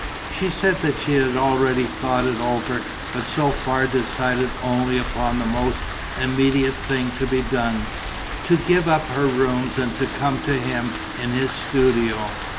She said that she had already thought it over, but so far decided only upon the most immediate thing to be done: to give up her rooms and come to him in his studio.